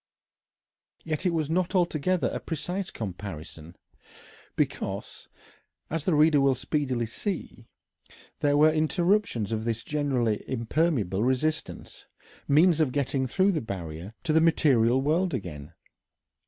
Yet it was not altogether a precise comparison, because, as the reader will speedily see, there were interruptions of this generally impermeable resistance, means of getting through the barrier to the material world again.